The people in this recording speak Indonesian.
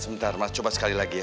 sebentar mas coba sekali lagi ya